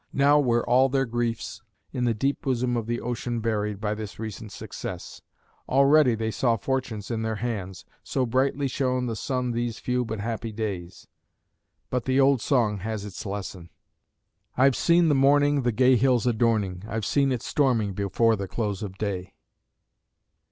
Now were all their griefs "in the deep bosom of the ocean buried" by this recent success. Already they saw fortunes in their hands, so brightly shone the sun these few but happy days. But the old song has its lesson: "I've seen the morning the gay hills adorning, I've seen it storming before the close of day."